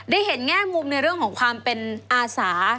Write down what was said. ได้เห็นแง่มุมในเรื่องของความเป็นอาสา